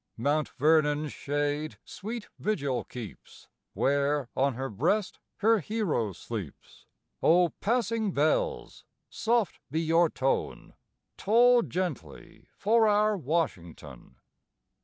Mt. Vernon's shade sweet vigil keeps Where on her breast her hero sleeps; O passing bells, soft be your tone, Toll gently for our Washington.